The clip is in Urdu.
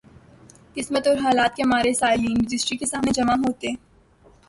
قسمت اور حالات کے مارے سائلین رجسٹری کے سامنے جمع ہوتے۔